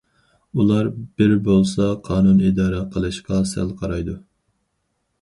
ئۇلار بىر بولسا قانۇن ئىدارە قىلىشقا سەل قارايدۇ.